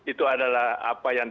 itu adalah apa yang